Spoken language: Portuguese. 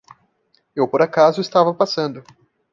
Eu por acaso estava passando.